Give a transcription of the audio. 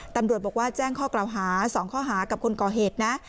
ตำรวจบอกว่าแจ้งข้อกล่าวหา๒ข้อหากับคนก่อเหตุนะ